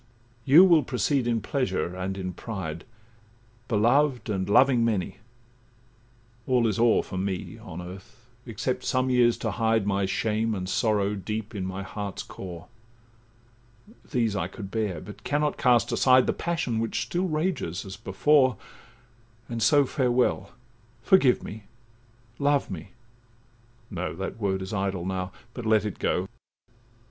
'You will proceed in pleasure, and in pride, Beloved and loving many; all is o'er For me on earth, except some years to hide My shame and sorrow deep in my heart's core; These I could bear, but cannot cast aside The passion which still rages as before— And so farewell—forgive me, love me—No, That word is idle now—but let it go.